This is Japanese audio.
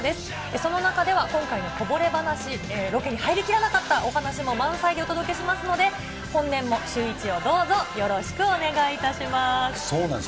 その中では今回のこぼれ話、ロケに入りきらなかったお話も満載でお届けしますので、本年もシューイチをどうぞよろしくお願いいたします。